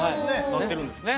なってるんですね。